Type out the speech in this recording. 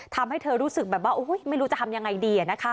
ทำให้เธอรู้สึกแบบว่าไม่รู้จะทำยังไงดี